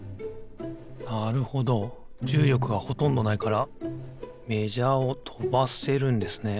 なるほどじゅうりょくがほとんどないからメジャーをとばせるんですね。